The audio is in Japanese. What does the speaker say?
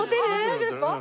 大丈夫ですか？